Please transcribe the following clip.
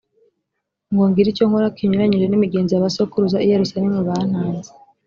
ngo ngire icyo nkora kinyuranyije n imigenzo ya ba sogokuruza i yerusalemu bantanze